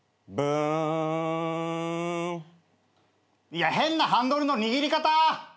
いや変なハンドルの握り方！